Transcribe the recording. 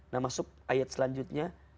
nah masuk ayat selanjutnya